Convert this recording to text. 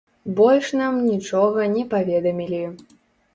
Больш нам нічога не паведамілі.